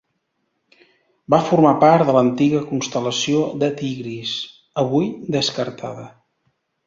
Va formar part de l'antiga constel·lació de Tigris, avui descartada.